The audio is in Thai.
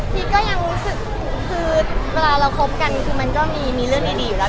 ก็ยังรู้สึกคือเวลาเราคบกันคือมันก็มีเรื่องดีอยู่แล้ว